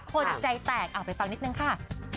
คนใจแตกไปฟังนิดนึงค่ะ